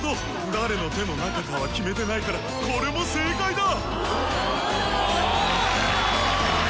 誰の手の中かは決めてないからこれも正解だ！